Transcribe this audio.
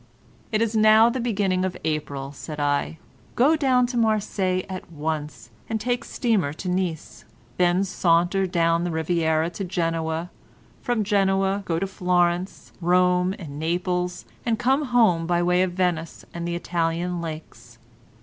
"It is now the beginning of April," said I, "go down to Marseilles at once, and take steamer to Nice. Then saunter down the Riviera to Genoa—from Genoa go to Florence, Rome and Naples, and come home by way of Venice and the Italian lakes."